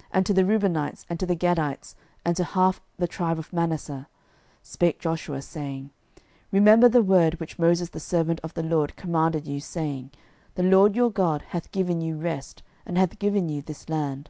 06:001:012 And to the Reubenites, and to the Gadites, and to half the tribe of Manasseh, spake Joshua, saying, 06:001:013 Remember the word which Moses the servant of the LORD commanded you, saying, The LORD your God hath given you rest, and hath given you this land.